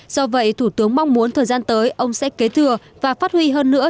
do vậy thủ tướng mong muốn thời gian tới ông sẽ kế thừa và phát huy hơn nữa